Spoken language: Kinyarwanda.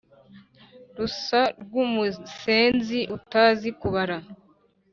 rusa rw’umusenzi utazi kubara